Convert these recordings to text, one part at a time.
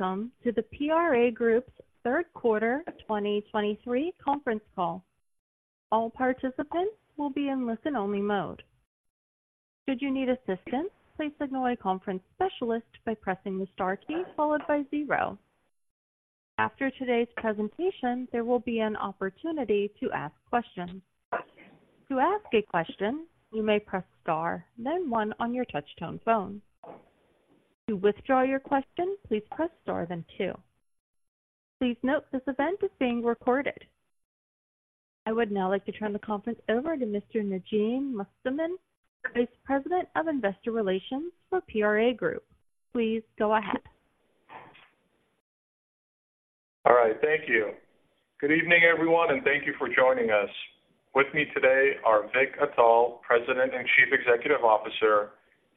Welcome to the PRA Group's third quarter of 2023 conference call. All participants will be in listen-only mode. Should you need assistance, please signal a conference specialist by pressing the star key followed by zero. After today's presentation, there will be an opportunity to ask questions. To ask a question, you may press star then one on your touchtone phone. To withdraw your question, please press star, then two. Please note, this event is being recorded. I would now like to turn the conference over to Mr. Najim Mostamand, Vice President of Investor Relations for PRA Group. Please go ahead. All right. Thank you. Good evening, everyone, and thank you for joining us. With me today are Vikram Atal, President and Chief Executive Officer,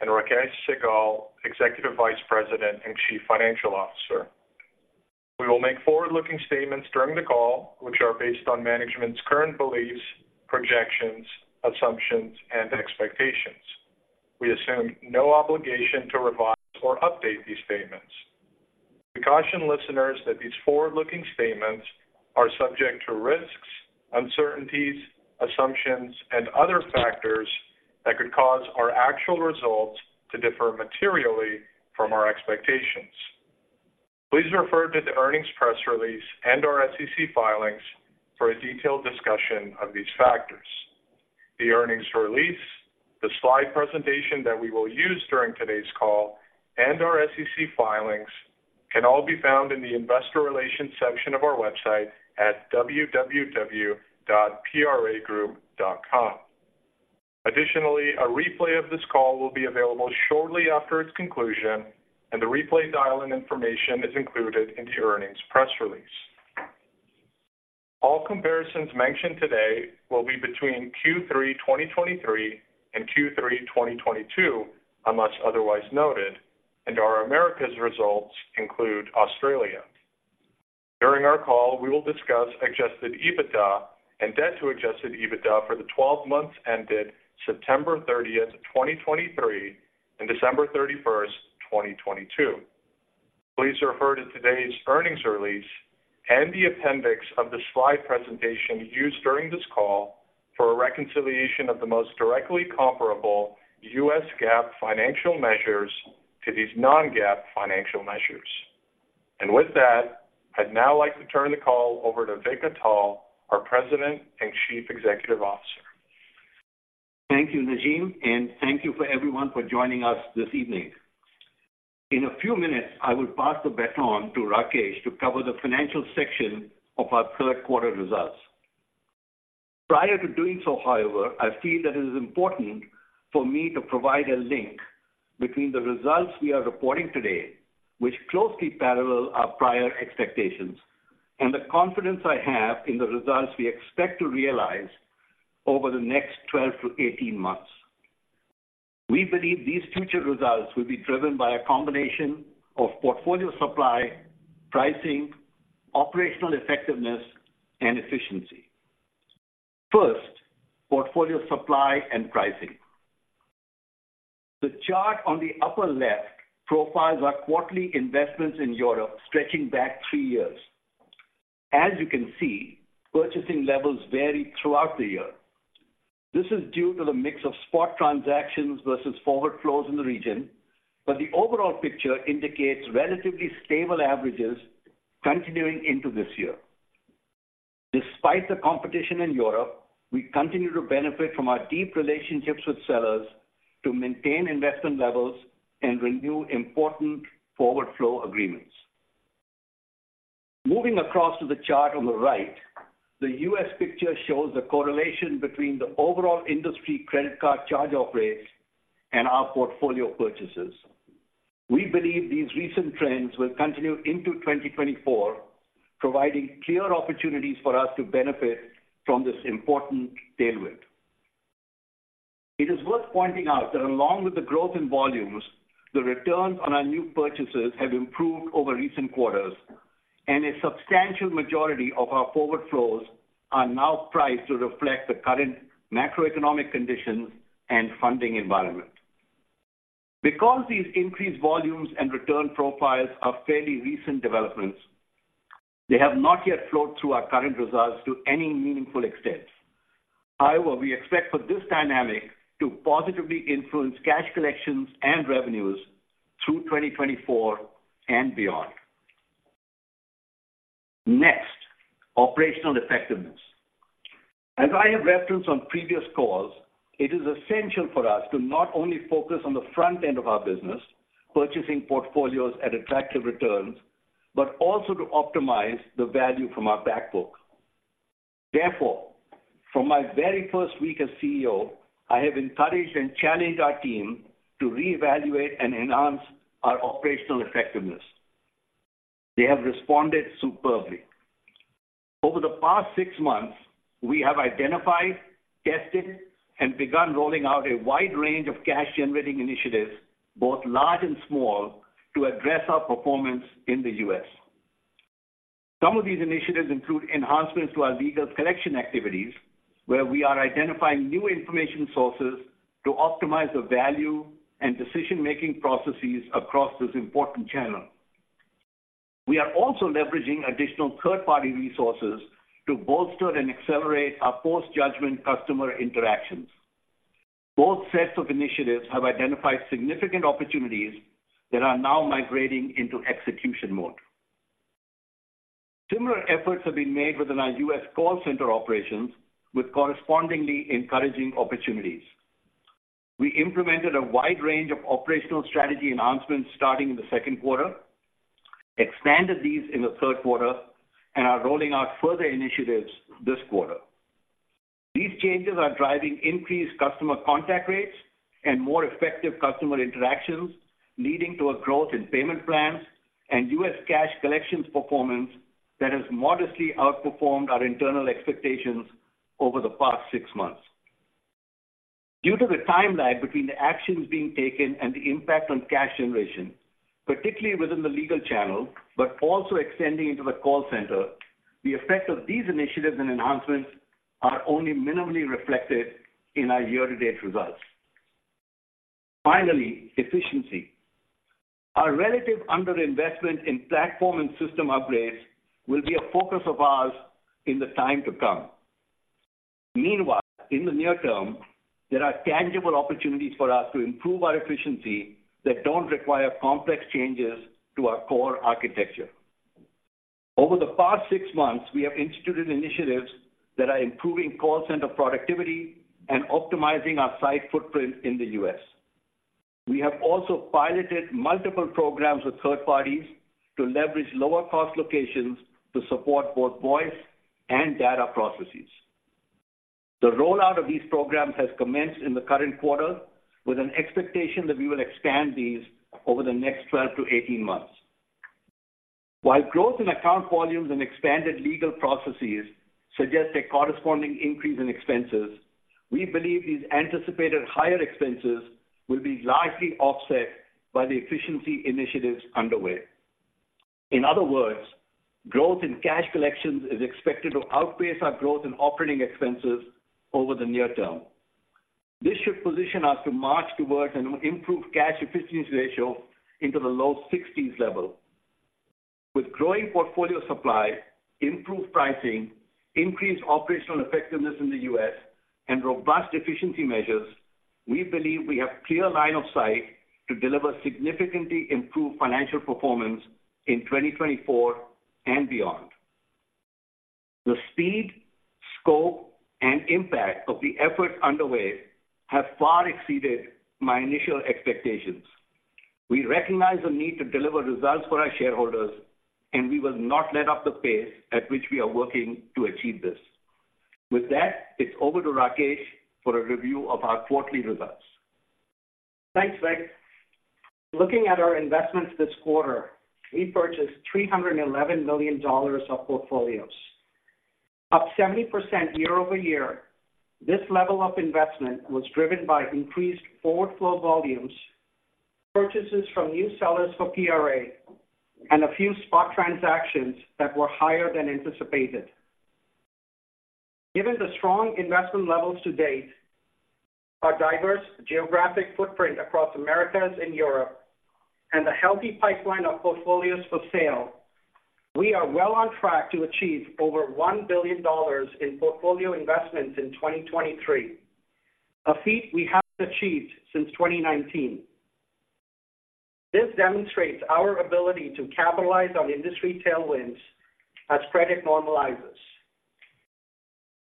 and Rakesh Sehgal, Executive Vice President and Chief Financial Officer. We will make forward-looking statements during the call, which are based on management's current beliefs, projections, assumptions, and expectations. We assume no obligation to revise or update these statements. We caution listeners that these forward-looking statements are subject to risks, uncertainties, assumptions, and other factors that could cause our actual results to differ materially from our expectations. Please refer to the earnings press release and our SEC filings for a detailed discussion of these factors. The earnings release, the slide presentation that we will use during today's call, and our SEC filings can all be found in the investor relations section of our website at www.pragroup.com. Additionally, a replay of this call will be available shortly after its conclusion, and the replay dial-in information is included in the earnings press release. All comparisons mentioned today will be between Q3 2023 and Q3 2022, unless otherwise noted, and our Americas results include Australia. During our call, we will discuss Adjusted EBITDA and debt to Adjusted EBITDA for the twelve months ended September 30, 2023 and December 31, 2022. Please refer to today's earnings release and the appendix of the slide presentation used during this call for a reconciliation of the most directly comparable U.S. GAAP financial measures to these non-GAAP financial measures. And with that, I'd now like to turn the call over to Vikram Atal, our President and Chief Executive Officer. Thank you, Najim, and thank you for everyone for joining us this evening. In a few minutes, I will pass the baton to Rakesh to cover the financial section of our third quarter results. Prior to doing so, however, I feel that it is important for me to provide a link between the results we are reporting today, which closely parallel our prior expectations, and the confidence I have in the results we expect to realize over the next 12 to 18 months. We believe these future results will be driven by a combination of portfolio supply, pricing, operational effectiveness, and efficiency. First, portfolio supply and pricing. The chart on the upper left profiles our quarterly investments in Europe, stretching back 3 years. As you can see, purchasing levels vary throughout the year. This is due to the mix of spot transactions versus forward flows in the region, but the overall picture indicates relatively stable averages continuing into this year. Despite the competition in Europe, we continue to benefit from our deep relationships with sellers to maintain investment levels and renew important forward flow agreements. Moving across to the chart on the right, the U.S. picture shows a correlation between the overall industry credit card charge-off rates and our portfolio purchases. We believe these recent trends will continue into 2024, providing clear opportunities for us to benefit from this important tailwind. It is worth pointing out that along with the growth in volumes, the returns on our new purchases have improved over recent quarters, and a substantial majority of our forward flows are now priced to reflect the current macroeconomic conditions and funding environment. Because these increased volumes and return profiles are fairly recent developments, they have not yet flowed through our current results to any meaningful extent. However, we expect for this dynamic to positively influence cash collections and revenues through 2024 and beyond. Next, operational effectiveness. As I have referenced on previous calls, it is essential for us to not only focus on the front end of our business, purchasing portfolios at attractive returns, but also to optimize the value from our back book. Therefore, from my very first week as CEO, I have encouraged and challenged our team to reevaluate and enhance our operational effectiveness. They have responded superbly. Over the past six months, we have identified, tested, and begun rolling out a wide range of cash-generating initiatives, both large and small, to address our performance in the U.S.... Some of these initiatives include enhancements to our legal collection activities, where we are identifying new information sources to optimize the value and decision-making processes across this important channel. We are also leveraging additional third-party resources to bolster and accelerate our post-judgment customer interactions. Both sets of initiatives have identified significant opportunities that are now migrating into execution mode. Similar efforts have been made within our U.S. call center operations, with correspondingly encouraging opportunities. We implemented a wide range of operational strategy enhancements starting in the second quarter, expanded these in the third quarter, and are rolling out further initiatives this quarter. These changes are driving increased customer contact rates and more effective customer interactions, leading to a growth in payment plans and U.S. cash collections performance that has modestly outperformed our internal expectations over the past six months. Due to the time lag between the actions being taken and the impact on cash generation, particularly within the legal channel, but also extending into the call center, the effect of these initiatives and enhancements are only minimally reflected in our year-to-date results. Finally, efficiency. Our relative underinvestment in platform and system upgrades will be a focus of ours in the time to come. Meanwhile, in the near term, there are tangible opportunities for us to improve our efficiency that don't require complex changes to our core architecture. Over the past six months, we have instituted initiatives that are improving call center productivity and optimizing our site footprint in the U.S. We have also piloted multiple programs with third parties to leverage lower cost locations to support both voice and data processes. The rollout of these programs has commenced in the current quarter, with an expectation that we will expand these over the next 12-18 months. While growth in account volumes and expanded legal processes suggest a corresponding increase in expenses, we believe these anticipated higher expenses will be largely offset by the efficiency initiatives underway. In other words, growth in cash collections is expected to outpace our growth in operating expenses over the near term. This should position us to march towards an improved cash efficiency ratio into the low 60s level. With growing portfolio supply, improved pricing, increased operational effectiveness in the US, and robust efficiency measures, we believe we have clear line of sight to deliver significantly improved financial performance in 2024 and beyond. The speed, scope, and impact of the efforts underway have far exceeded my initial expectations. We recognize the need to deliver results for our shareholders, and we will not let up the pace at which we are working to achieve this. With that, it's over to Rakesh for a review of our quarterly results. Thanks, Vik. Looking at our investments this quarter, we purchased $311 million of portfolios. Up 70% year-over-year, this level of investment was driven by increased forward flow volumes, purchases from new sellers for PRA, and a few spot transactions that were higher than anticipated. Given the strong investment levels to date, our diverse geographic footprint across Americas and Europe, and a healthy pipeline of portfolios for sale, we are well on track to achieve over $1 billion in portfolio investments in 2023, a feat we have achieved since 2019. This demonstrates our ability to capitalize on industry tailwinds as credit normalizes.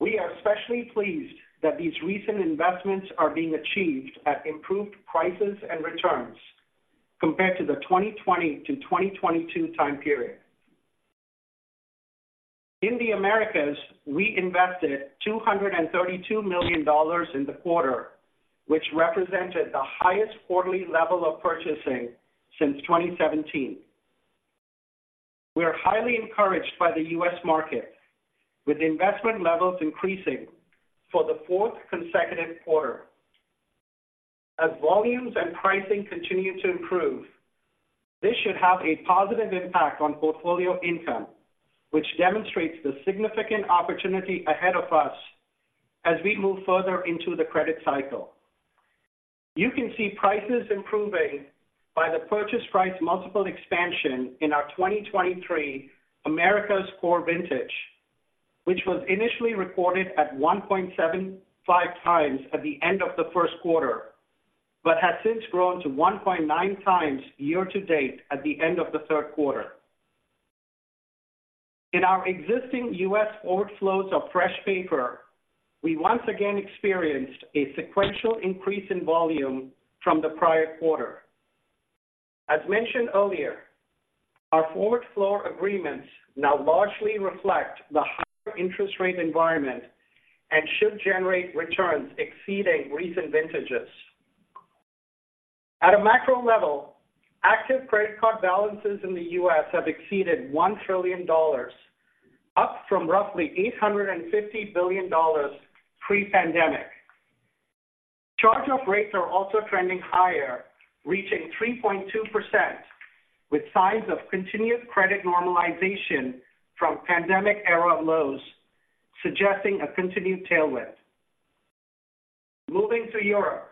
We are especially pleased that these recent investments are being achieved at improved prices and returns compared to the 2020-2022 time period. In the Americas, we invested $232 million in the quarter, which represented the highest quarterly level of purchasing since 2017. We are highly encouraged by the U.S. market, with investment levels increasing for the fourth consecutive quarter. As volumes and pricing continue to improve, this should have a positive impact on portfolio income, which demonstrates the significant opportunity ahead of us as we move further into the credit cycle. You can see prices improving by the purchase price multiple expansion in our 2023 Americas core vintage, which was initially recorded at 1.75x at the end of the first quarter, but has since grown to 1.9x year to date at the end of the third quarter. In our existing U.S. overflows of fresh paper, we once again experienced a sequential increase in volume from the prior quarter. As mentioned earlier, our forward flow agreements now largely reflect the higher interest rate environment and should generate returns exceeding recent vintages. At a macro level, active credit card balances in the U.S. have exceeded $1 trillion, up from roughly $850 billion pre-pandemic. Charge-off rates are also trending higher, reaching 3.2%, with signs of continued credit normalization from pandemic-era lows, suggesting a continued tailwind. Moving to Europe.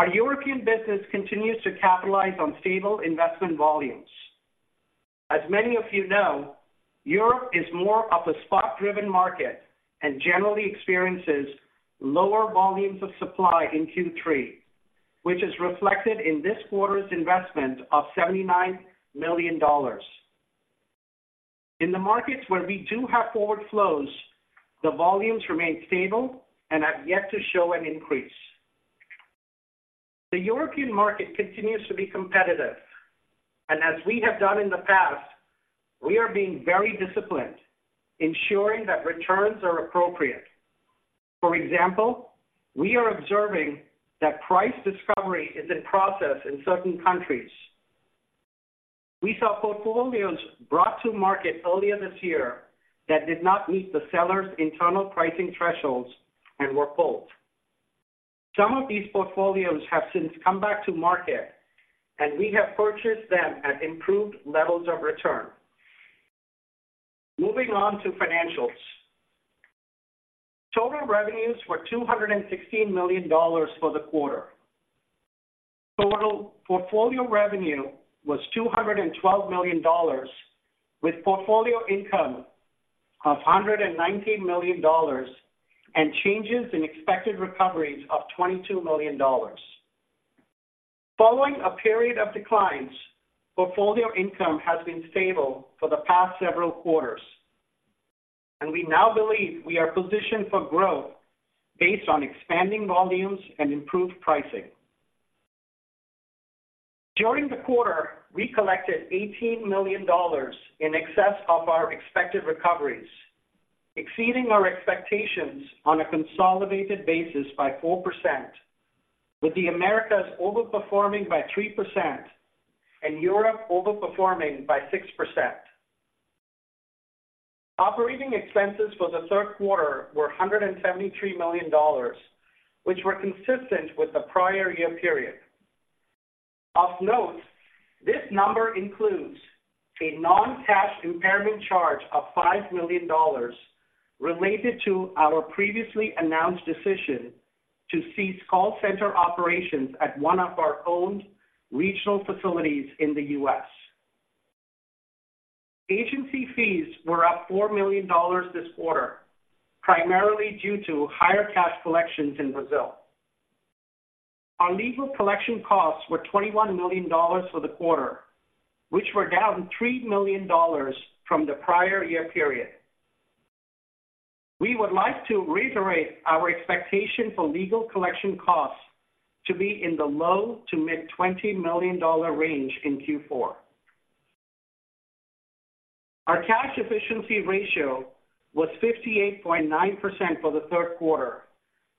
Our European business continues to capitalize on stable investment volumes. As many of you know, Europe is more of a spot-driven market and generally experiences lower volumes of supply in Q3, which is reflected in this quarter's investment of $79 million. In the markets where we do have forward flows, the volumes remain stable and have yet to show an increase. The European market continues to be competitive, and as we have done in the past, we are being very disciplined, ensuring that returns are appropriate. For example, we are observing that price discovery is in process in certain countries. We saw portfolios brought to market earlier this year that did not meet the seller's internal pricing thresholds and were pulled. Some of these portfolios have since come back to market, and we have purchased them at improved levels of return. Moving on to financials. Total revenues were $216 million for the quarter. Total portfolio revenue was $212 million, with portfolio income of $119 million and changes in expected recoveries of $22 million. Following a period of declines, portfolio income has been stable for the past several quarters, and we now believe we are positioned for growth based on expanding volumes and improved pricing. During the quarter, we collected $18 million in excess of our expected recoveries, exceeding our expectations on a consolidated basis by 4%, with the Americas overperforming by 3% and Europe overperforming by 6%. Operating expenses for the third quarter were $173 million, which were consistent with the prior year period. Of note, this number includes a non-cash impairment charge of $5 million related to our previously announced decision to cease call center operations at one of our owned regional facilities in the U.S. Agency fees were up $4 million this quarter, primarily due to higher cash collections in Brazil. Our legal collection costs were $21 million for the quarter, which were down $3 million from the prior year period. We would like to reiterate our expectation for legal collection costs to be in the low-to-mid $20 million range in Q4. Our cash efficiency ratio was 58.9% for the third quarter,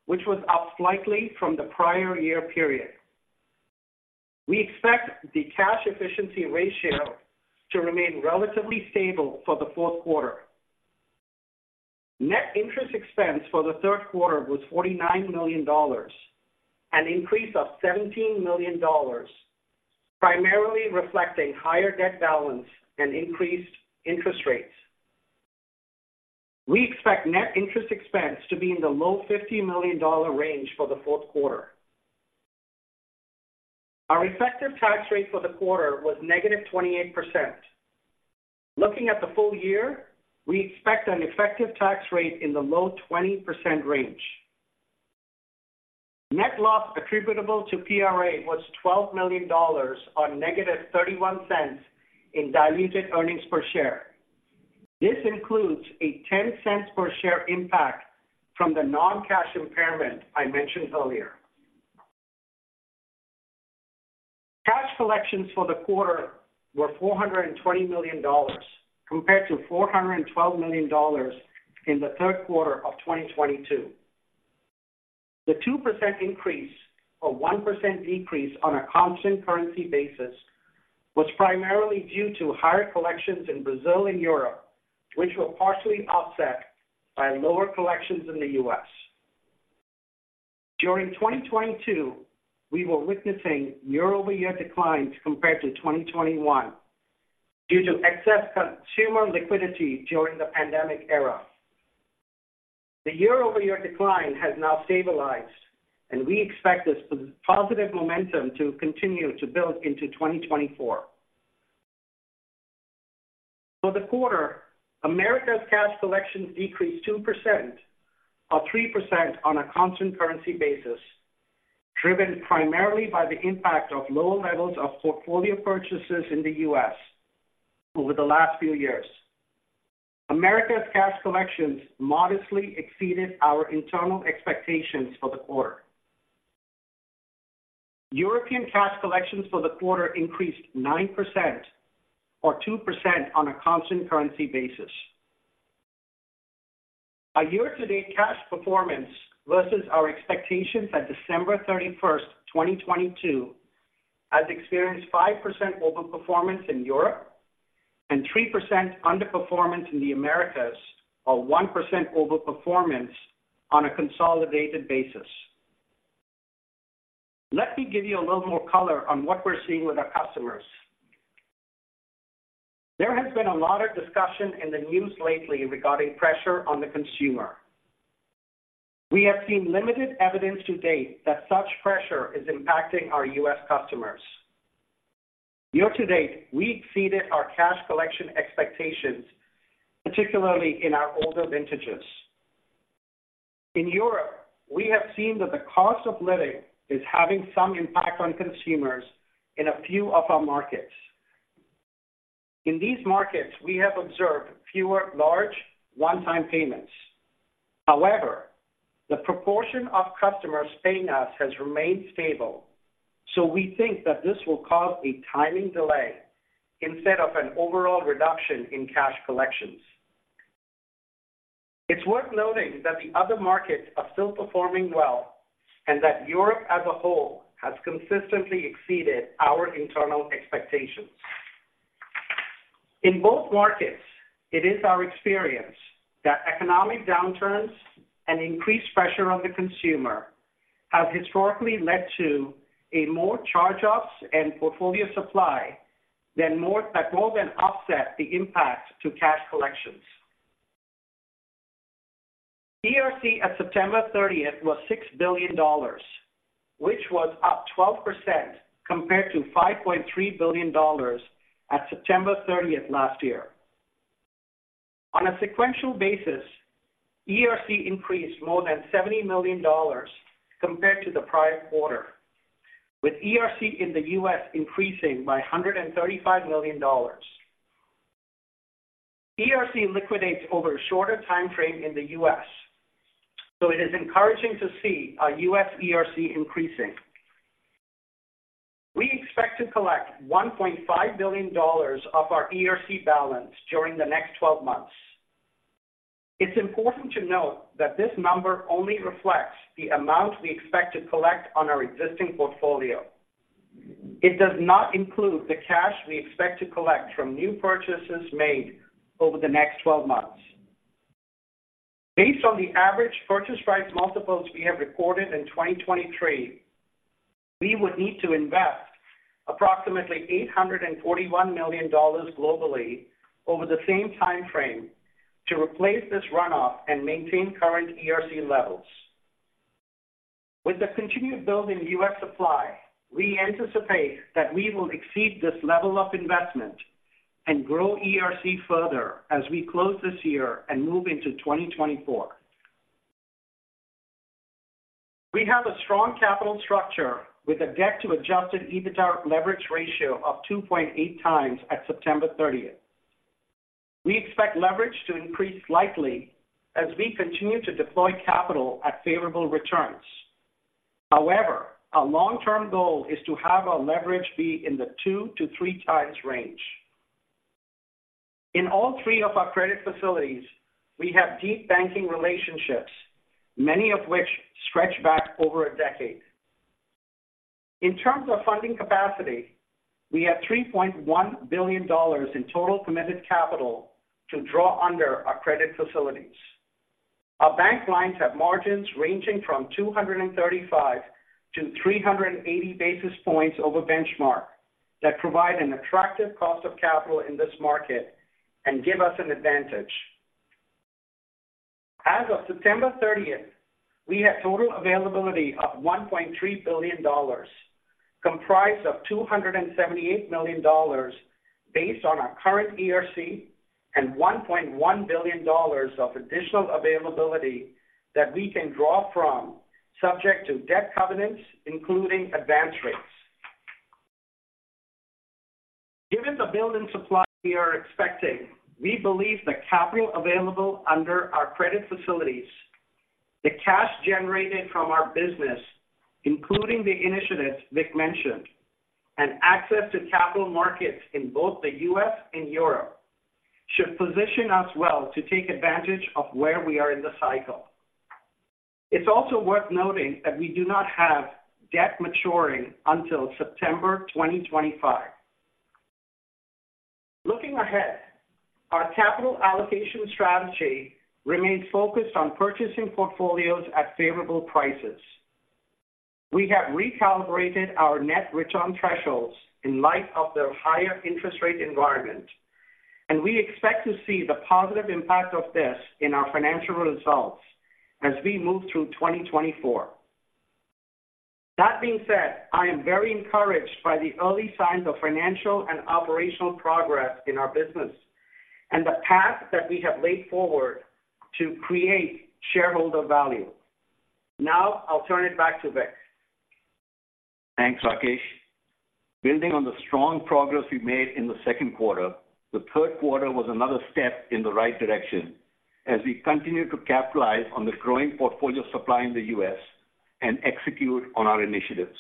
which was up slightly from the prior year period. We expect the cash efficiency ratio to remain relatively stable for the fourth quarter. Net interest expense for the third quarter was $49 million, an increase of $17 million, primarily reflecting higher debt balance and increased interest rates. We expect net interest expense to be in the low $50 million range for the fourth quarter. Our effective tax rate for the quarter was -28%. Looking at the full year, we expect an effective tax rate in the low-20% range. Net loss attributable to PRA was $12 million on -$0.31 in diluted earnings per share. This includes a $0.10 per share impact from the non-cash impairment I mentioned earlier. Cash collections for the quarter were $420 million, compared to $412 million in the third quarter of 2022. The 2% increase, or 1% decrease on a constant currency basis, was primarily due to higher collections in Brazil and Europe, which were partially offset by lower collections in the U.S. During 2022, we were witnessing year-over-year declines compared to 2021 due to excess consumer liquidity during the pandemic era. The year-over-year decline has now stabilized, and we expect this positive momentum to continue to build into 2024. For the quarter, Americas cash collections decreased 2%, or 3% on a constant currency basis, driven primarily by the impact of lower levels of portfolio purchases in the US over the last few years. Americas cash collections modestly exceeded our internal expectations for the quarter. Europe cash collections for the quarter increased 9%, or 2% on a constant currency basis. Our year-to-date cash performance versus our expectations at December 31st, 2022, has experienced 5% overperformance in Europe and 3% underperformance in the Americas, a 1% overperformance on a consolidated basis. Let me give you a little more color on what we're seeing with our customers. There has been a lot of discussion in the news lately regarding pressure on the consumer. We have seen limited evidence to date that such pressure is impacting our U.S. customers. Year-to-date, we exceeded our cash collection expectations, particularly in our older vintages. In Europe, we have seen that the cost of living is having some impact on consumers in a few of our markets. In these markets, we have observed fewer large one-time payments. However, the proportion of customers paying us has remained stable, so we think that this will cause a timing delay instead of an overall reduction in cash collections. It's worth noting that the other markets are still performing well, and that Europe as a whole has consistently exceeded our internal expectations. In both markets, it is our experience that economic downturns and increased pressure on the consumer have historically led to more charge-offs and portfolio supply that more than offset the impact to cash collections. ERC at September 30th was $6 billion, which was up 12% compared to $5.3 billion at September 30th last year. On a sequential basis, ERC increased more than $70 million compared to the prior quarter, with ERC in the U.S. increasing by $135 million. ERC liquidates over a shorter time frame in the U.S., so it is encouraging to see our U.S. ERC increasing. We expect to collect $1.5 billion of our ERC balance during the next 12 months. It's important to note that this number only reflects the amount we expect to collect on our existing portfolio. It does not include the cash we expect to collect from new purchases made over the next 12 months. Based on the average purchase price multiples we have recorded in 2023, we would need to invest approximately $841 million globally over the same time frame to replace this runoff and maintain current ERC levels. With the continued build in U.S. supply, we anticipate that we will exceed this level of investment and grow ERC further as we close this year and move into 2024. We have a strong capital structure with a debt to Adjusted EBITDA leverage ratio of 2.8x at September 30. We expect leverage to increase slightly as we continue to deploy capital at favorable returns. However, our long-term goal is to have our leverage be in the 2-3x range. In all three of our credit facilities, we have deep banking relationships, many of which stretch back over a decade. In terms of funding capacity, we have $3.1 billion in total committed capital to draw under our credit facilities. Our bank lines have margins ranging from 235-380 basis points over benchmark that provide an attractive cost of capital in this market and give us an advantage. As of September 30th, we have total availability of $1.3 billion, comprised of $278 million based on our current ERC, and $1.1 billion of additional availability that we can draw from, subject to debt covenants, including advance rates. Given the build and supply we are expecting, we believe the capital available under our credit facilities, the cash generated from our business, including the initiatives Vik mentioned, and access to capital markets in both the U.S. and Europe, should position us well to take advantage of where we are in the cycle. It's also worth noting that we do not have debt maturing until September 2025. Looking ahead, our capital allocation strategy remains focused on purchasing portfolios at favorable prices. We have recalibrated our net return thresholds in light of the higher interest rate environment, and we expect to see the positive impact of this in our financial results as we move through 2024. That being said, I am very encouraged by the early signs of financial and operational progress in our business and the path that we have laid forward to create shareholder value. Now I'll turn it back to Vik. Thanks, Rakesh. Building on the strong progress we made in the second quarter, the third quarter was another step in the right direction as we continue to capitalize on the growing portfolio supply in the U.S. and execute on our initiatives.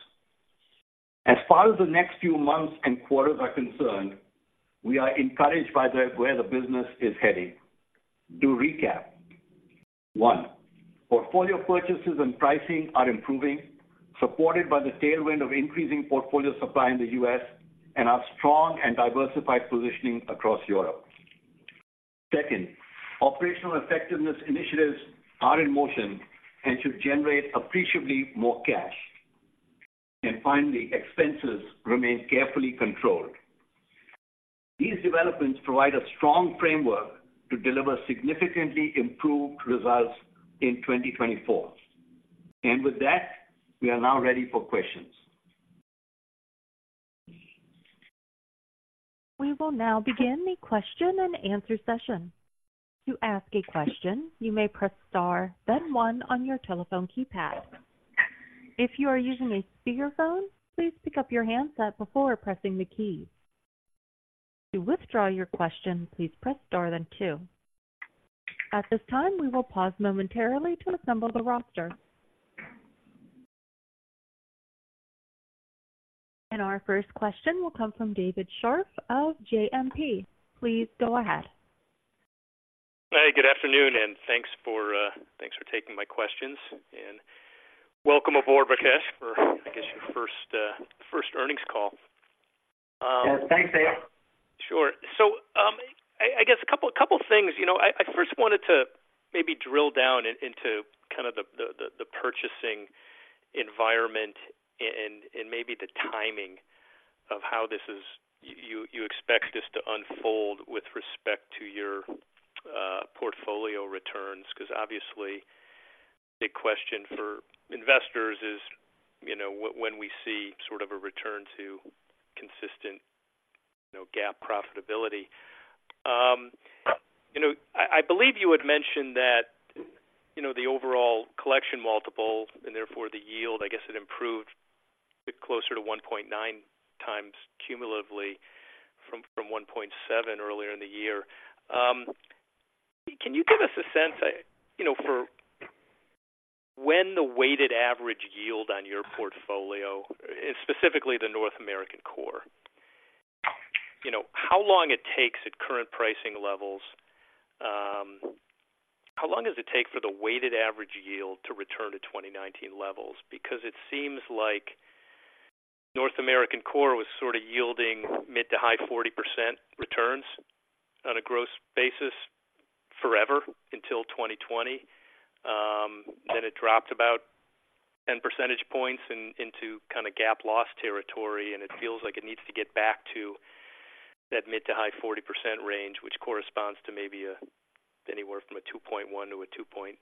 As far as the next few months and quarters are concerned, we are encouraged by where the business is heading. To recap, One, portfolio purchases and pricing are improving, supported by the tailwind of increasing portfolio supply in the U.S. and our strong and diversified positioning across Europe. Second, operational effectiveness initiatives are in motion and should generate appreciably more cash. And finally, expenses remain carefully controlled. These developments provide a strong framework to deliver significantly improved results in 2024. And with that, we are now ready for questions. We will now begin the question-and-answer session. "To ask a question, you may press star, then one" on your telephone keypad. If you are using a speakerphone, please pick up your handset before pressing the key. "To withdraw your question, please press star, then two". At this time, we will pause momentarily to assemble the roster. Our first question will come from David Scharf of JMP. Please go ahead. Hey, good afternoon, and thanks for taking my questions. Welcome aboard, Rakesh, for, I guess, your first earnings call. Yes, thanks, David. Sure. So, I guess a couple of things. You know, I first wanted to maybe drill down into kind of the purchasing environment and maybe the timing of how this is you expect this to unfold with respect to your portfolio returns. Because obviously, the big question for investors is, you know, when we see sort of a return to consistent, you know, GAAP profitability. You know, I believe you had mentioned that, you know, the overall collection multiple and therefore the yield, I guess, it improved closer to 1.9x cumulatively from 1.7 earlier in the year. Can you give us a sense, you know, for when the weighted average yield on your portfolio, and specifically the North American core, you know, how long it takes at current pricing levels, how long does it take for the weighted average yield to return to 2019 levels? Because it seems like North American core was sort of yielding mid- to high-40% returns on a gross basis forever until 2020. Then it dropped about 10 percentage points in, into kind of GAAP loss territory, and it feels like it needs to get back to that mid- to high-40% range, which corresponds to maybe, anywhere from a 2.1-2.4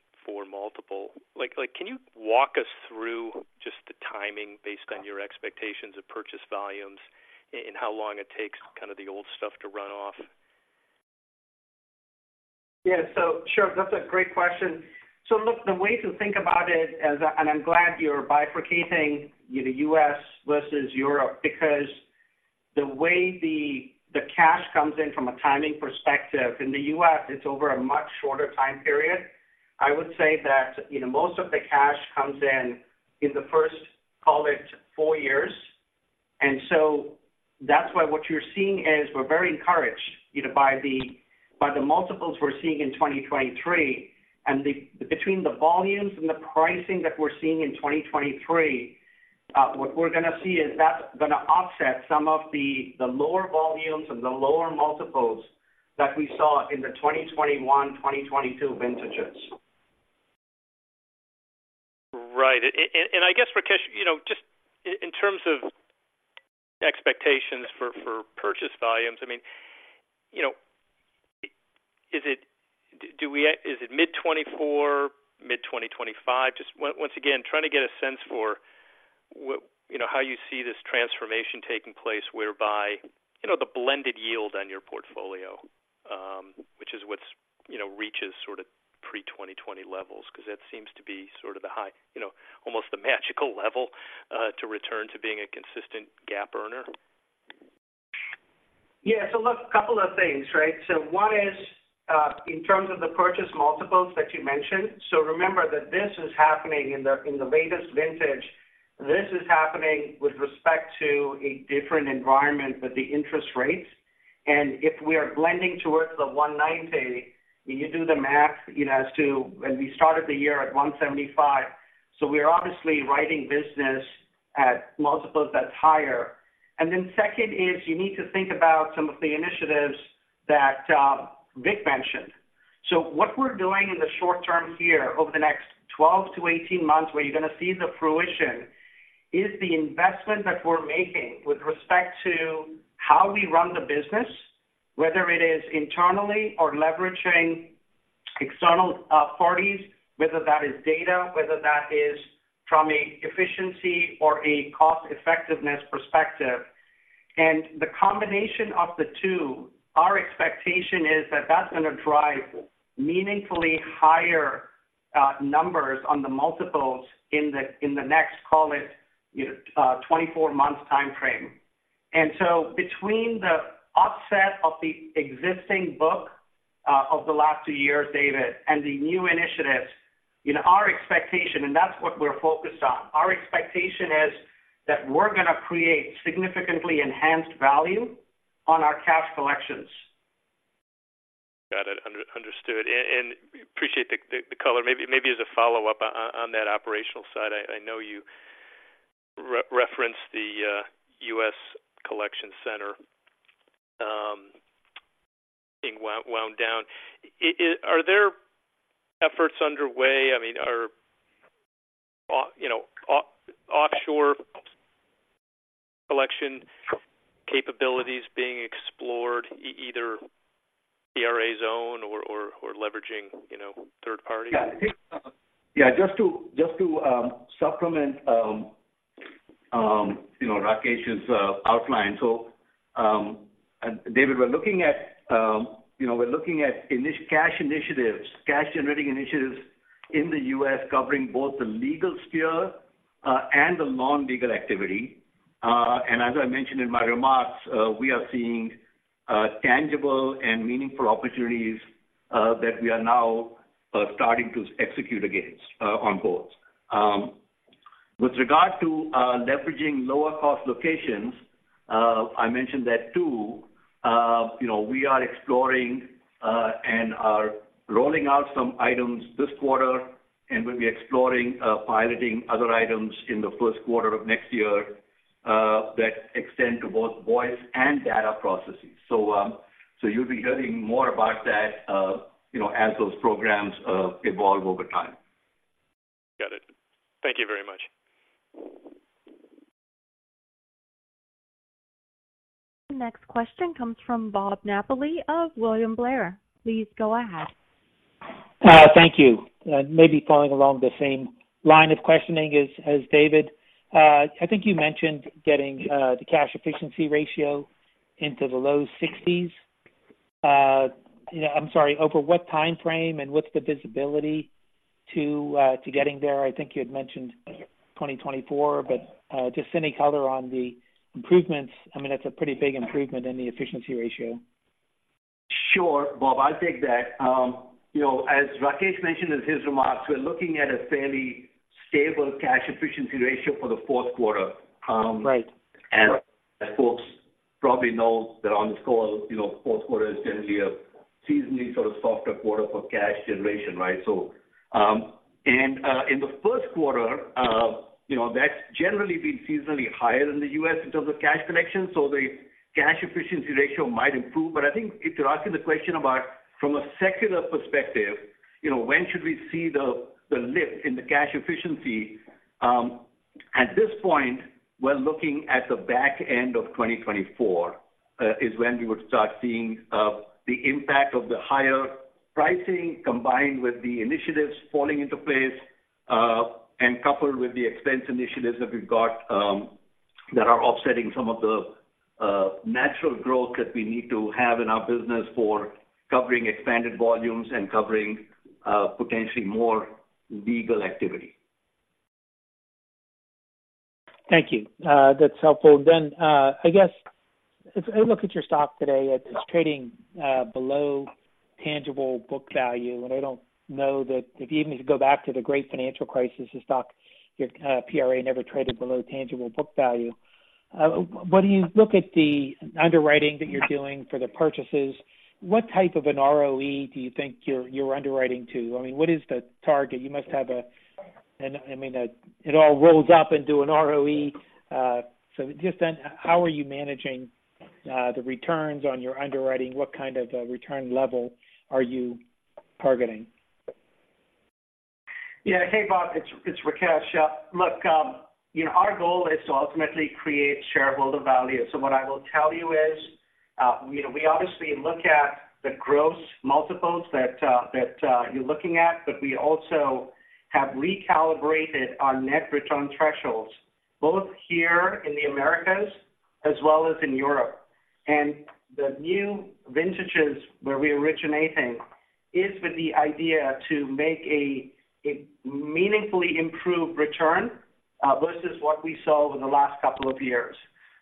multiple. Like, can you walk us through just the timing based on your expectations of purchase volumes and how long it takes, kind of the old stuff to run off? Yeah. So, sure, that's a great question. So look, the way to think about it and I'm glad you're bifurcating, you know, U.S. versus Europe, because the way the cash comes in from a timing perspective, in the U.S., it's over a much shorter time period. I would say that, you know, most of the cash comes in in the first, call it, four years. And so that's why what you're seeing is we're very encouraged, you know, by the multiples we're seeing in 2023. And between the volumes and the pricing that we're seeing in 2023, what we're gonna see is that's gonna offset some of the lower volumes and the lower multiples that we saw in the 2021, 2022 vintages. Right. And, and I guess, Rakesh, you know, just in terms of expectations for, for purchase volumes, I mean, you know, is it, do we, is it mid-2024, mid-2025? Just once again, trying to get a sense for what-- you know, how you see this transformation taking place, whereby, you know, the blended yield on your portfolio, which is what's, you know, reaches sort of pre-2020 levels, because that seems to be sort of the high, you know, almost the magical level, to return to being a consistent GAAP earner. Yeah. So look, a couple of things, right? So one is, in terms of the purchase multiples that you mentioned. So remember that this is happening in the latest vintage. This is happening with respect to a different environment with the interest rates. And if we are blending towards the 1.9x, when you do the math, you know, as to when we started the year at 1.75x, so we are obviously writing business at multiples that's higher. And then second is you need to think about some of the initiatives that, Vik mentioned. So what we're doing in the short term here, over the next 12-18 months, where you're going to see the fruition, is the investment that we're making with respect to how we run the business, whether it is internally or leveraging external, parties, whether that is data, whether that is from a efficiency or a cost effectiveness perspective. And the combination of the two, our expectation is that that's going to drive meaningfully higher, numbers on the multiples in the, in the next, call it, you know, 24 months time frame. And so between the offset of the existing book, of the las two years, David, and the new initiatives, our expectation, and that's what we're focused on. Our expectation is that we're going to create significantly enhanced value on our cash collections. Got it. Understood. And appreciate the color. Maybe as a follow-up on that operational side, I know you referenced the US collection center being wound down. Are there efforts underway? I mean, are, you know, offshore collection capabilities being explored, either PRA's own or leveraging, you know, third party? Yeah. Yeah, just to supplement, you know, Rakesh's outline. So, David, we're looking at, you know, we're looking at cash initiatives, cash-generating initiatives in the U.S., covering both the legal sphere and the non-legal activity. And as I mentioned in my remarks, we are seeing tangible and meaningful opportunities that we are now starting to execute against, on both. With regard to leveraging lower-cost locations, I mentioned that, too. You know, we are exploring and are rolling out some items this quarter, and we'll be exploring, piloting other items in the first quarter of next year that extend to both voice and data processes. So, you'll be hearing more about that, you know, as those programs evolve over time. Got it. Thank you very much. The next question comes from Bob Napoli of William Blair. Please go ahead. Thank you. Maybe following along the same line of questioning as David. I think you mentioned getting the Cash Efficiency Ratio into the low 60s. You know, I'm sorry, over what time frame and what's the visibility to getting there? I think you had mentioned 2024, but just any color on the improvements. I mean, that's a pretty big improvement in the Cash Efficiency Ratio. Sure, Bob, I'll take that. You know, as Rakesh mentioned in his remarks, we're looking at a fairly stable cash efficiency ratio for the fourth quarter. Right. As folks probably know, that on this call, you know, fourth quarter is generally a seasonally sort of softer quarter for cash generation, right? So, in the first quarter, you know, that's generally been seasonally higher in the U.S. in terms of cash collection, so the Cash Efficiency Ratio might improve. But I think if you're asking the question about from a secular perspective, you know, when should we see the the lift in the cash efficiency, at this point, we're looking at the back end of 2024, is when we would start seeing the impact of the higher pricing, combined with the initiatives falling into place, and coupled with the expense initiatives that we've got, that are offsetting some of the natural growth that we need to have in our business for covering expanded volumes and covering potentially more legal activity. Thank you. That's helpful. Then, I guess, if I look at your stock today, it's trading below tangible book value, and I don't know that if you need to go back to the great financial crisis, the stock, your PRA never traded below tangible book value. When you look at the underwriting that you're doing for the purchases, what type of an ROE do you think you're underwriting to? I mean, what is the target? You must have a, and I mean, it all rolls up into an ROE. So just then, how are you managing the returns on your underwriting? What kind of a return level are you targeting? Yeah. Hey, Bob, it's Rakesh. Look, you know, our goal is to ultimately create shareholder value. So what I will tell you is, you know, we obviously look at the gross multiples that you're looking at, but we also have recalibrated our net return thresholds, both here in the Americas as well as in Europe. And the new vintages where we're originating is with the idea to make a meaningfully improved return versus what we saw over the last couple of years.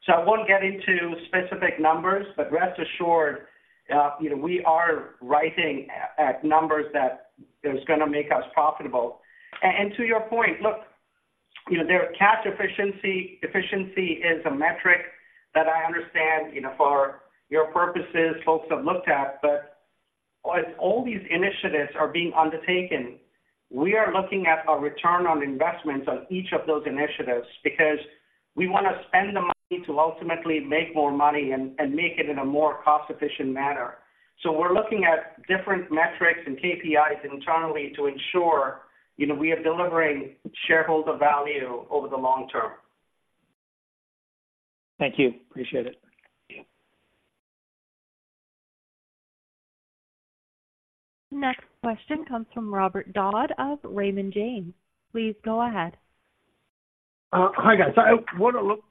So I won't get into specific numbers, but rest assured, you know, we are writing at numbers that is going to make us profitable. And to your point, look, you know, their cash efficiency is a metric that I understand, you know, for your purposes, folks have looked at. But as all these initiatives are being undertaken, we are looking at a return on investments on each of those initiatives because we want to spend the money to ultimately make more money and make it in a more cost-efficient manner. So we're looking at different metrics and KPIs internally to ensure, you know, we are delivering shareholder value over the long term. Thank you. Appreciate it. The next question comes from Robert Dodd of Raymond James. Please go ahead. Hi, guys. I want to look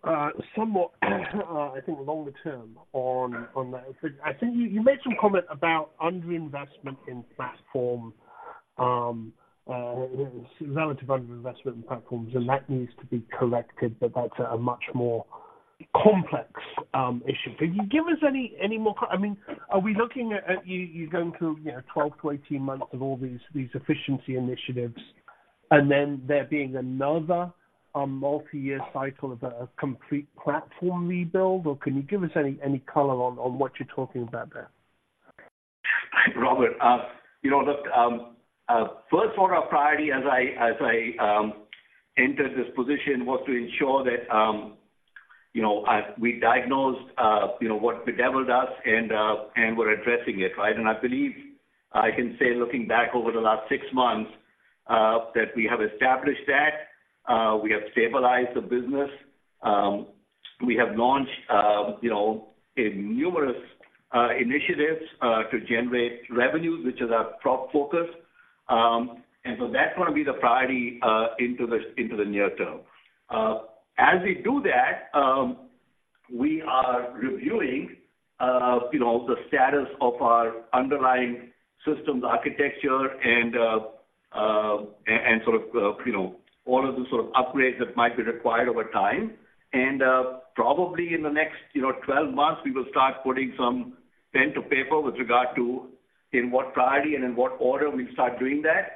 somewhat, I think, longer term on that. I think you made some comment about underinvestment in platform, relative underinvestment in platforms, and that needs to be corrected, but that's a much more-complex issue. Can you give us any more, I mean, are we looking at you going through, you know, 12-18 months of all these efficiency initiatives, and then there being another multi-year cycle of a complete platform rebuild? Or can you give us any color on what you're talking about there? Robert, you know, look, first, for our priority as I entered this position, was to ensure that, you know, we diagnosed what bedeviled us and we're addressing it, right? And I believe I can say, looking back over the last six months, that we have established that we have stabilized the business. We have launched, you know, in numerous initiatives to generate revenues, which is our top focus. And so that's gonna be the priority into the near term. As we do that, we are reviewing, you know, the status of our underlying systems architecture and sort of, you know, all of the sort of upgrades that might be required over time. Probably in the next, you know, 12 months, we will start putting some pen to paper with regard to in what priority and in what order we start doing that.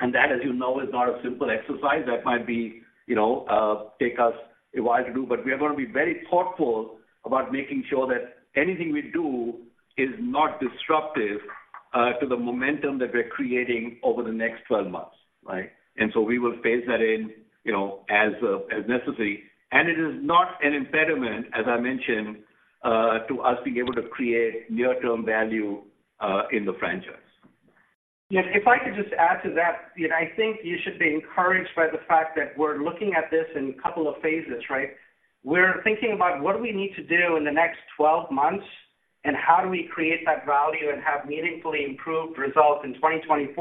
And that, as you know, is not a simple exercise that might be, you know, take us a while to do, but we are gonna be very thoughtful about making sure that anything we do is not disruptive to the momentum that we're creating over the next 12 months, right? And so we will phase that in, you know, as, as necessary. And it is not an impediment, as I mentioned, to us being able to create near-term value in the franchise. Yeah, if I could just add to that. You know, I think you should be encouraged by the fact that we're looking at this in a couple of phases, right? We're thinking about what do we need to do in the next 12 months, and how do we create that value and have meaningfully improved results in 2024.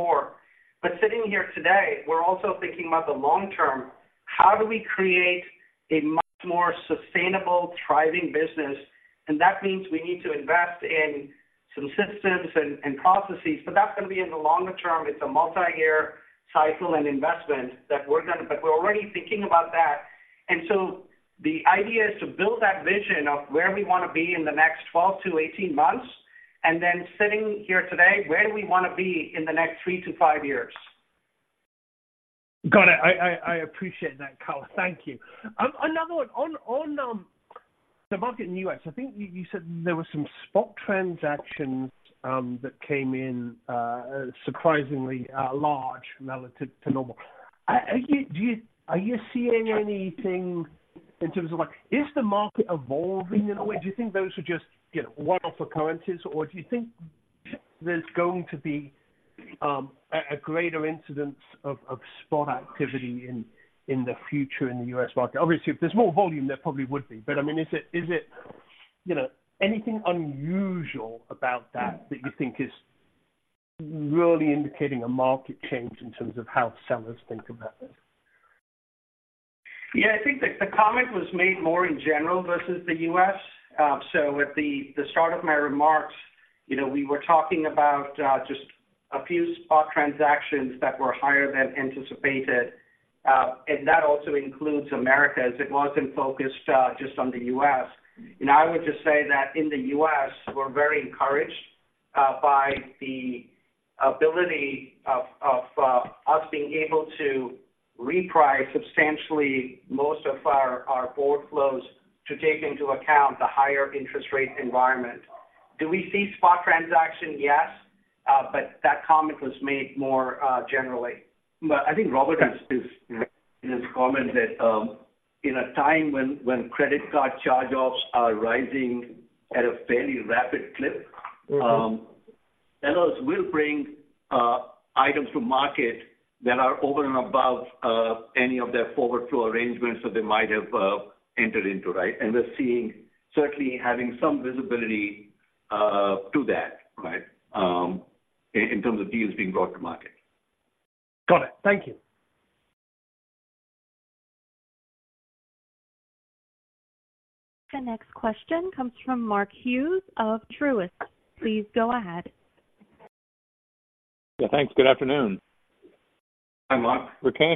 But sitting here today, we're also thinking about the long term. How do we create a much more sustainable, thriving business? And that means we need to invest in some systems and, and processes, but that's gonna be in the longer term. It's a multi-year cycle and investment that we're gonna, but we're already thinking about that. The idea is to build that vision of where we wanna be in the next 12-18 months, and then sitting here today, where we wanna be in the next 3-5 years. Got it. I appreciate that, color. Thank you. Another one. On the market in U.S., I think you said there were some spot transactions that came in surprisingly large relative to normal. Are you seeing anything in terms of, like, is the market evolving in a way? Do you think those are just, you know, one off occurrences, or do you think there's going to be a greater incidence of spot activity in the future in the U.S. market? Obviously, if there's more volume, there probably would be. But, I mean, is it anything unusual about that that you think is really indicating a market change in terms of how sellers think about this? Yeah, I think the comment was made more in general versus the U.S. So at the start of my remarks, you know, we were talking about just a few spot transactions that were higher than anticipated, and that also includes Americas. It wasn't focused just on the U.S. And I would just say that in the U.S., we're very encouraged by the ability of us being able to reprice substantially most of our forward flows to take into account the higher interest rate environment. Do we see spot transaction? Yes, but that comment was made more generally. I think Robert has this in his comment that, in a time when credit card charge-offs are rising at a fairly rapid clip-Sellers will bring items to market that are over and above any of their forward flow arrangements that they might have entered into, right? And we're seeing certainly having some visibility to that, right, in terms of deals being brought to market. Got it. Thank you. The next question comes from Mark Hughes of Truist. Please go ahead. Yeah, thanks. Good afternoon. Hi, Mark. Rakesh,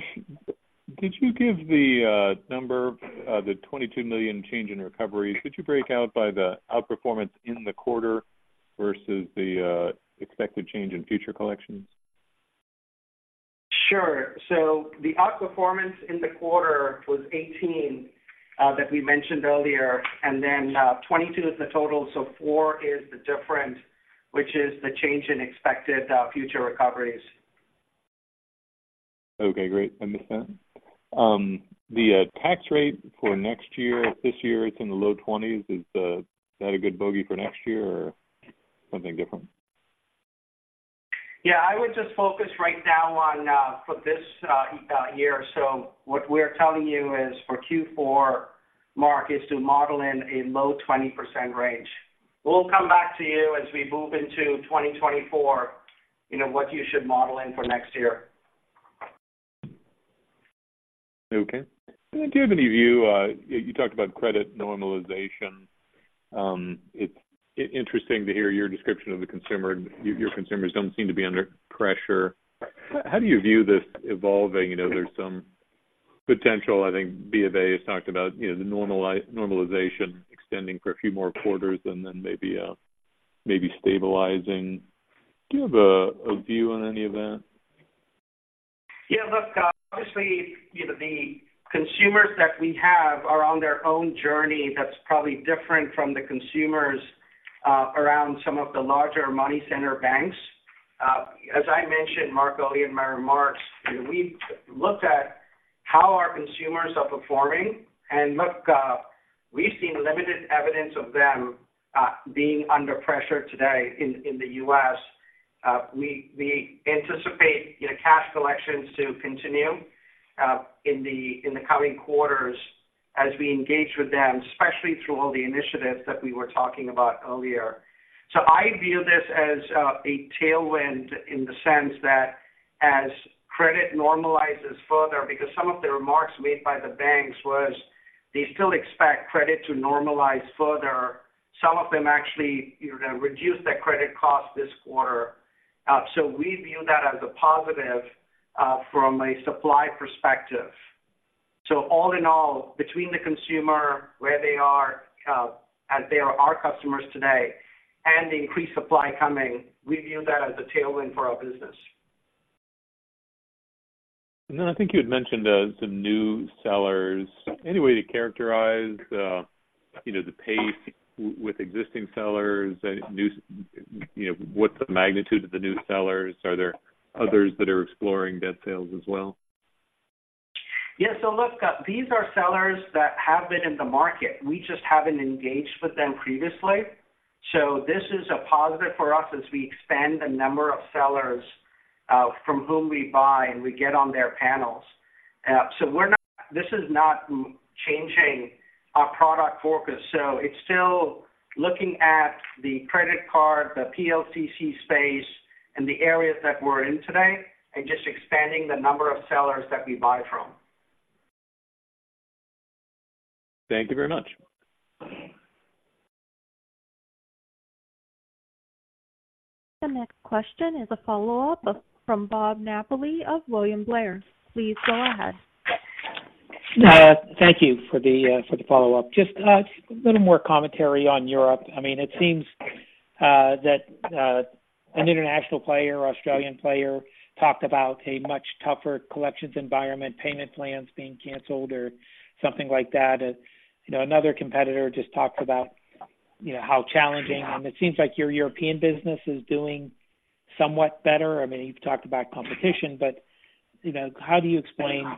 could you give the number, the $22 million change in recovery? Could you break out by the outperformance in the quarter versus the expected change in future collections? Sure. So the outperformance in the quarter was 18, that we mentioned earlier, and then, 22 is the total, so four is the difference, which is the change in expected future recoveries. Okay, great. I understand. The tax rate for next year, this year, it's in the low 20s. Is that a good bogey for next year or something different? Yeah, I would just focus right now on for this year. So what we're telling you is for Q4, Mark, is to model in a low 20% range. We'll come back to you as we move into 2024, you know, what you should model in for next year. Okay. Do you have any view? You talked about credit normalization. It's interesting to hear your description of the consumer. Your consumers don't seem to be under pressure. How do you view this evolving? You know, there's some potential. I think BofA has talked about, you know, the normalization extending for a few more quarters and then maybe stabilizing. Do you have a view on any of that? Yeah, look, Scott, obviously, you know, the consumers that we have are on their own journey that's probably different from the consumers around some of the larger money center banks. As I mentioned, Mark, earlier in my remarks, you know, we've looked at how our consumers are performing. And look, we've seen limited evidence of them being under pressure today in the U.S. We anticipate, you know, cash collections to continue in the coming quarters as we engage with them, especially through all the initiatives that we were talking about earlier. So I view this as a tailwind in the sense that as credit normalizes further, because some of the remarks made by the banks was they still expect credit to normalize further. Some of them actually, you know, reduced their credit cost this quarter. So we view that as a positive, from a supply perspective. So all in all, between the consumer, where they are, as they are our customers today, and the increased supply coming, we view that as a tailwind for our business. And then I think you had mentioned some new sellers. Any way to characterize, you know, the pace with existing sellers and new. You know, what's the magnitude of the new sellers? Are there others that are exploring debt sales as well? Yeah. So look, these are sellers that have been in the market. We just haven't engaged with them previously. So this is a positive for us as we expand the number of sellers from whom we buy, and we get on their panels. So we're not, this is not changing our product focus, so it's still looking at the credit card, the PLCC space, and the areas that we're in today, and just expanding the number of sellers that we buy from. Thank you very much. The next question is a follow-up from Bob Napoli of William Blair. Please go ahead. Thank you for the follow-up. Just a little more commentary on Europe. I mean, it seems that an international player, Australian player, talked about a much tougher collections environment, payment plans being canceled or something like that. You know, another competitor just talked about, you know, how challenging, and it seems like your European business is doing somewhat better. I mean, you've talked about competition, but, you know, how do you explain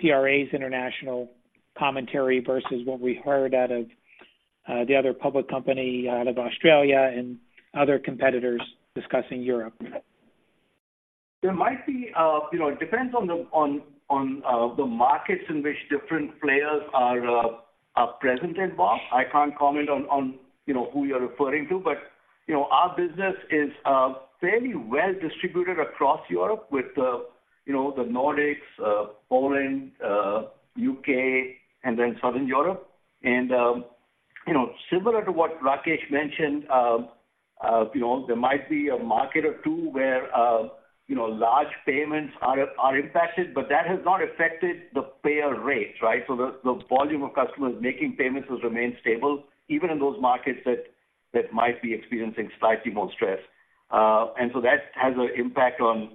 PRA's international commentary versus what we heard out of the other public company out of Australia and other competitors discussing Europe? There might be. You know, it depends on the markets in which different players are present in, Bob. I can't comment on, you know, who you're referring to, but, you know, our business is fairly well distributed across Europe with the, you know, the Nordics, Poland, UK, and then Southern Europe. And, you know, similar to what Rakesh mentioned, you know, there might be a market or two where, you know, large payments are impacted, but that has not affected the payer rates, right? So the volume of customers making payments has remained stable, even in those markets that might be experiencing slightly more stress. And so that has an impact on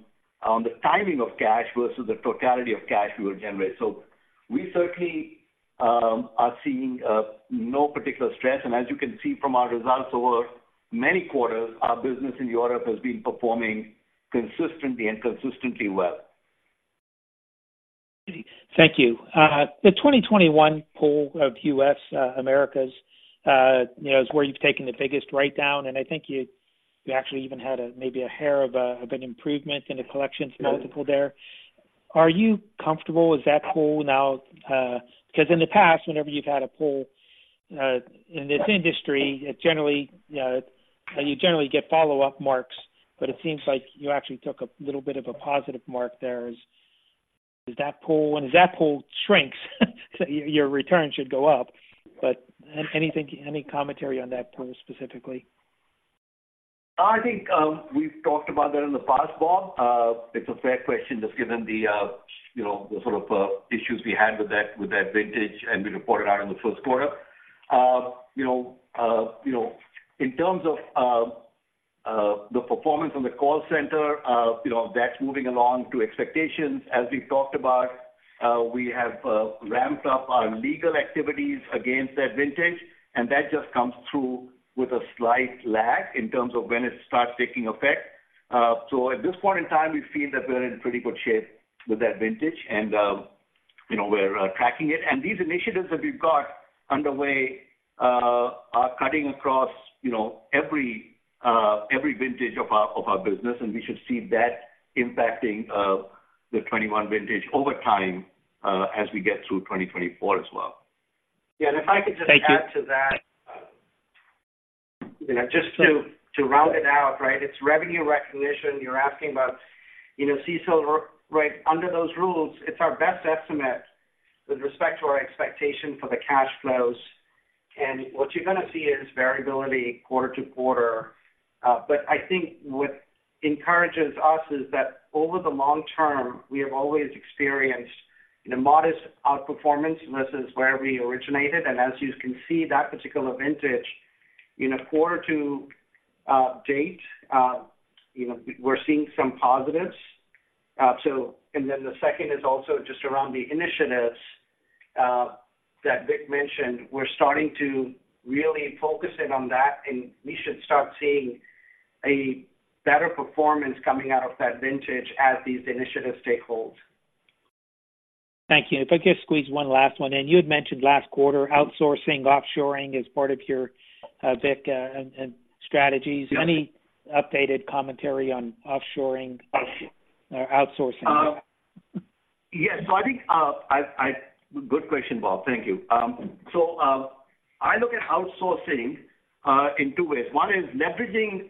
the timing of cash versus the totality of cash we will generate. So we certainly are seeing no particular stress. And as you can see from our results over many quarters, our business in Europe has been performing consistently and consistently well. Thank you. The 2021 pool of U.S. Americas, you know, is where you've taken the biggest write-down, and I think you actually even had a maybe a hair of an improvement in the collections multiple there. Are you comfortable with that pool now? Because in the past, whenever you've had a pool in this industry, it generally you generally get follow-up marks, but it seems like you actually took a little bit of a positive mark there. Is that pool, when that pool shrinks, your return should go up. But anything, any commentary on that pool specifically? I think, we've talked about that in the past, Bob. It's a fair question, just given the, you know, the sort of, issues we had with that, with that vintage, and we reported out in the first quarter. You know, you know, in terms of, the performance on the call center, you know, that's moving along to expectations. As we've talked about, we have, ramped up our legal activities against that vintage, and that just comes through with a slight lag in terms of when it starts taking effect. So at this point in time, we feel that we're in pretty good shape with that vintage, and, you know, we're, tracking it. These initiatives that we've got underway are cutting across, you know, every vintage of our business, and we should see that impacting the 2021 vintage over time, as we get through 2024 as well. Yeah, and if I could just add to that. You know, just to round it out, right, it's revenue recognition you're asking about. You know, CECL right, under those rules, it's our best estimate with respect to our expectation for the cash flows. And what you're gonna see is variability quarter to quarter. But I think what encourages us is that over the long term, we have always experienced, you know, modest outperformance, and this is where we originated. And as you can see, that particular vintage in a quarter to date, you know, we're seeing some positives. And then the second is also just around the initiatives that Vik mentioned. We're starting to really focus in on that, and we should start seeing a better performance coming out of that vintage as these initiatives take hold. Thank you. If I could squeeze one last one in. You had mentioned last quarter, outsourcing, offshoring as part of your, Vik, and strategies. Any updated commentary on offshoring or outsourcing? Yes. So I think, I've, Good question, Bob. Thank you. So, I look at outsourcing in two ways. One is leveraging,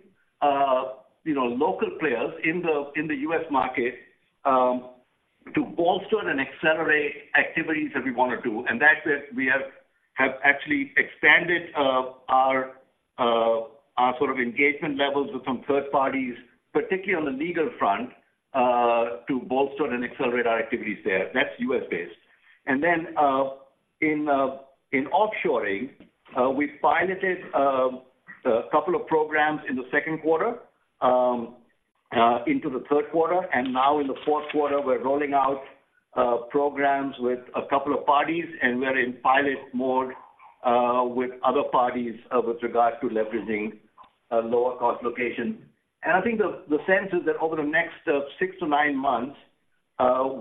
you know, local players in the US market to bolster and accelerate activities that we want to do. And that's it. We have actually expanded our sort of engagement levels with some third parties, particularly on the legal front, to bolster and accelerate our activities there. That's US-based. And then, in offshoring, we piloted a couple of programs in the second quarter into the third quarter, and now in the fourth quarter, we're rolling out programs with a couple of parties, and we're in pilot mode with other parties with regard to leveraging a lower-cost location. I think the sense is that over the next six-nine months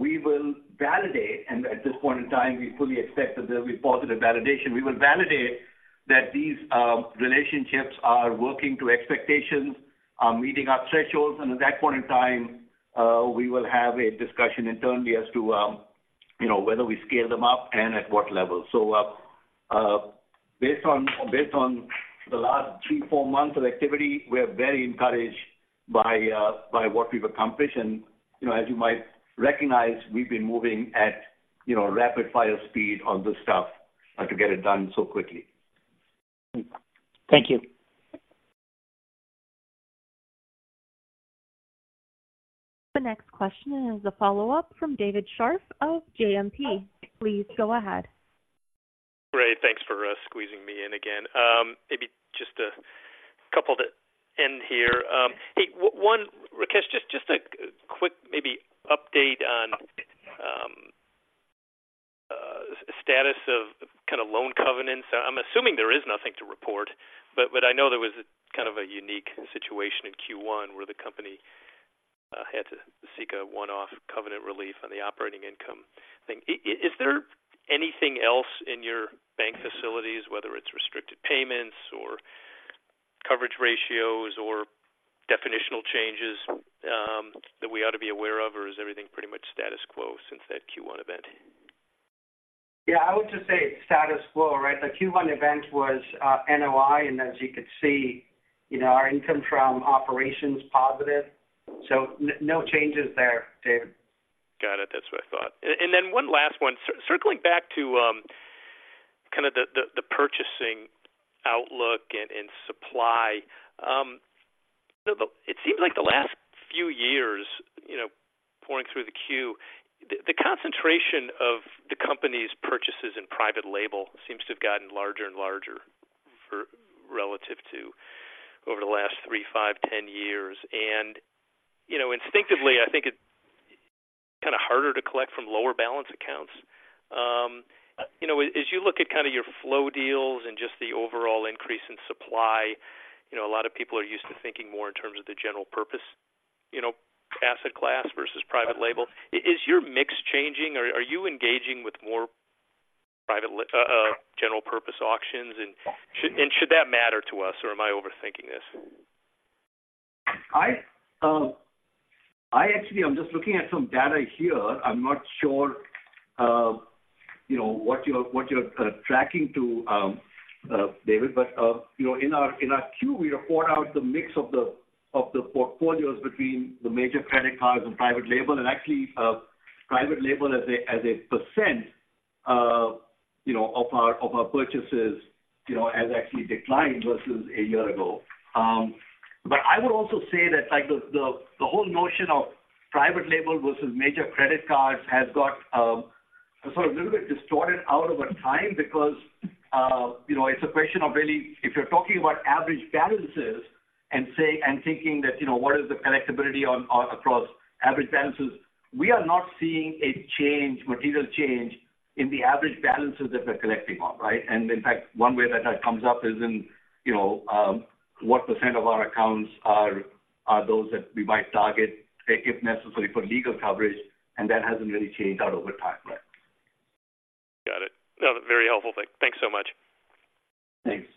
we will validate, and at this point in time, we fully expect that there'll be positive validation. We will validate that these relationships are working to expectations, meeting our thresholds, and at that point in time we will have a discussion internally as to you know, whether we scale them up and at what level. So based on the last three-four months of activity, we're very encouraged by what we've accomplished. And you know, as you might recognize, we've been moving at you know, rapid fire speed on this stuff to get it done so quickly. Thank you. The next question is a follow-up from David Scharf of JMP. Please go ahead. Great. Thanks for squeezing me in again. Maybe just a couple to end here. Hey, one, Rakesh, just a quick maybe update on status of kind of loan covenants. I'm assuming there is nothing to report, but I know there was kind of a unique situation in Q1, where the company had to seek a one-off covenant relief on the operating income thing. Is there anything else in your bank facilities, whether it's restricted payments or coverage ratios or definitional changes, that we ought to be aware of, or is everything pretty much status quo since that Q1 event? Yeah, I would just say it's status quo, right? The Q1 event was NOI, and as you could see, you know, our income from operations positive, so no changes there, David. Got it. That's what I thought. And then one last one. Circling back to, kind of the, the purchasing outlook and supply. It seems like the last few years, you know, pouring through the Q, the concentration of the company's purchases in private label seems to have gotten larger and larger for relative to over the last 3, 5, 10 years. And, you know, instinctively, I think it's kind of harder to collect from lower balance accounts. You know, as you look at kind of your flow deals and just the overall increase in supply, you know, a lot of people are used to thinking more in terms of the general purpose, you know, asset class versus private label. Is your mix changing? Or are you engaging with more private li-- general purpose auctions? Should that matter to us, or am I overthinking this? I actually, I'm just looking at some data here. I'm not sure, you know, what you're tracking to, David, but you know, in our Q, we report out the mix of the portfolios between the major credit cards and private label. Actually, private label as a percent, you know, of our purchases, you know, has actually declined versus a year ago. But I would also say that, like, the whole notion of private label versus major credit cards has got, sort of a little bit distorted out over time because, you know, it's a question of really, if you're talking about average balances and say and thinking that, you know, what is the collectibility on across average balances, we are not seeing a change, material change in the average balances that we're collecting on, right? And in fact, one way that that comes up is in, you know, what percent of our accounts are those that we might target, take, if necessary, for legal coverage, and that hasn't really changed out over time, right? Got it. Very helpful, Vik. Thanks so much. Thanks.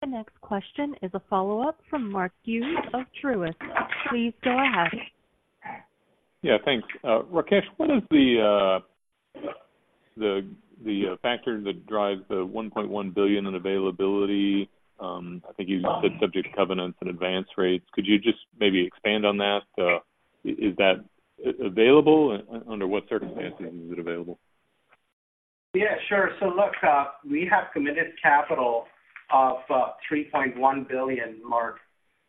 The next question is a follow-up from Mark Hughes of Truist. Please go ahead. Yeah, thanks. Rakesh, what is the factor that drives the $1.1 billion in availability? I think you said subject to covenants and advance rates. Could you just maybe expand on that? Is that available, and under what circumstances is it available? Yeah, sure. So look, we have committed capital of $3.1 billion, Mark,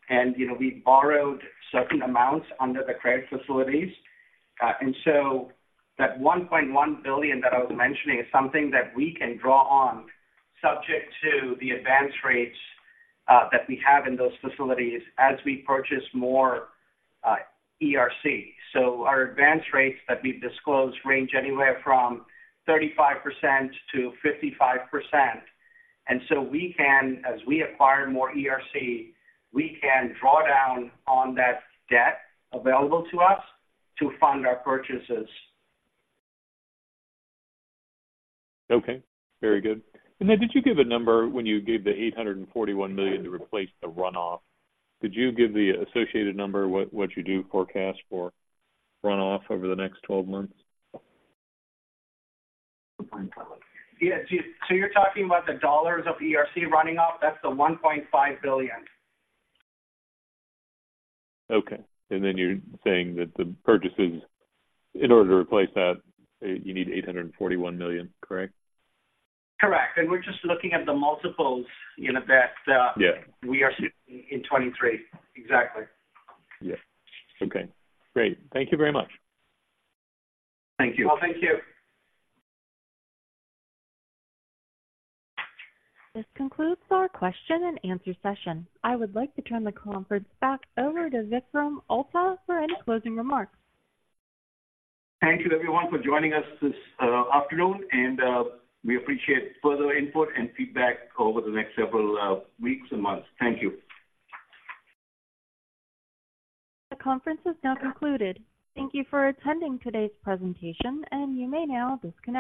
and, you know, we borrowed certain amounts under the credit facilities. And so that $1.1 billion that I was mentioning is something that we can draw on, subject to the advance rates, that we have in those facilities as we purchase more ERC. So our advance rates that we've disclosed range anywhere from 35%-55%. And so we can, as we acquire more ERC, we can draw down on that debt available to us to fund our purchases. Okay, very good. And then, did you give a number when you gave the $841 million to replace the runoff? Did you give the associated number, what, what you do forecast for runoff over the next 12 months? Yes. So you're talking about the dollars of ERC running off? That's the $1.5 billion. Okay. And then you're saying that the purchases, in order to replace that, you need $841 million, correct? Correct. We're just looking at the multiples, you know, that- Yeah. We are seeing in 2023. Exactly. Yeah. Okay, great. Thank you very much. Thank you. Well, thank you. This concludes our question and answer session. I would like to turn the conference back over to Vikram Atal for any closing remarks. Thank you everyone for joining us this afternoon, and we appreciate further input and feedback over the next several weeks and months. Thank you. The conference is now concluded. Thank you for attending today's presentation, and you may now disconnect.